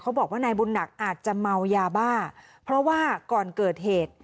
บอกว่านายบุญหนักอาจจะเมายาบ้าเพราะว่าก่อนเกิดเหตุ